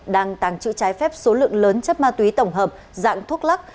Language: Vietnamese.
đang tàng trữ trái phép số lượng lớn chất ma túy tổng hợp dạng thuốc lắc